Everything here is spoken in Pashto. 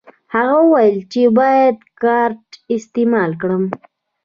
هغه وویل چې باید کارت استعمال کړم.